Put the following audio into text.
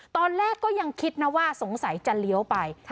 ตอนแรกก็ยังคิดนะว่าสงสัยจะเลี้ยวไป